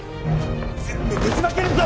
全部ぶちまけるぞ！